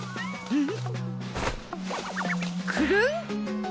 うん。